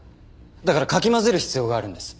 だからかき混ぜる必要があるんです。